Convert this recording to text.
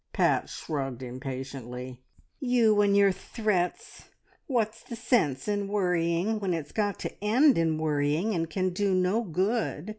Pat shrugged impatiently. "You and your threats! What's the sense in worrying when it's got to end in worrying, and can do no good?